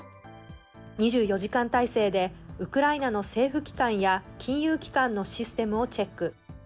２４時間態勢で、ウクライナの政府機関や金融機関のシステムをチェック。